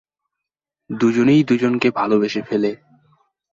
দুজনেই দুজনকে ভালবেসে ফেলে।